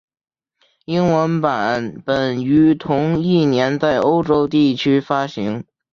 英文版本于同一年在欧洲地区发行。